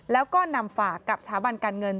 แล้วก็นำฝากกับสถาบันการเงิน